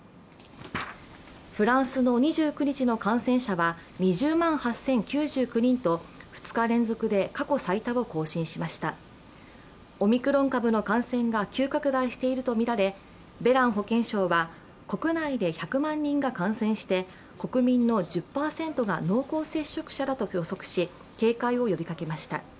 フランスの２９日の感染者は２０万８０９９人と２日連続で過去最多を更新しましたオミクロン株の感染が急拡大しているとみられ、ベラン保健相は国内で１００万人が感染して、国民の１０％が濃厚接触者だと予測し警戒を呼びかけました。